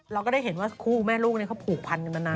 เราก็ได้เห็นว่าคู่แม่ลูกนี้เขาผูกพันกันมานาน